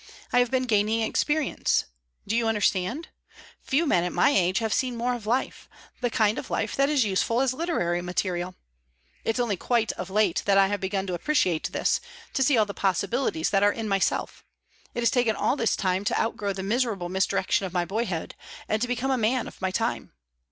"I have been gaining experience. Do you understand? Few men at my age have seen more of life the kind of life that is useful as literary material. It's only quite of late that I have begun to appreciate this, to see all the possibilities that are in myself. It has taken all this time to outgrow the miserable misdirection of my boyhood, and to become a man of my time.